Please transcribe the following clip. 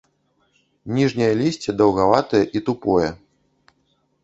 Ніжняе лісце даўгаватае і тупое.